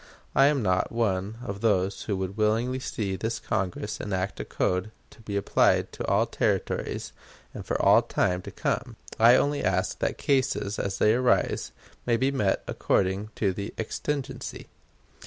I am not one of those who would willingly see this Congress enact a code to be applied to all Territories and for all time to come. I only ask that cases, as they arise, may be met according to the exigency.